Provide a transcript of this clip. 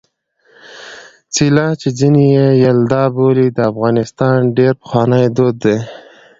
څِله چې ځيني يې یلدا بولي د افغانستان ډېر پخوانی دود دی.